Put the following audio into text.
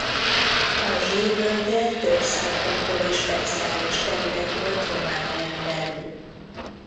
A Zsil-völgye több szempontból is speciális terület volt Románián belül.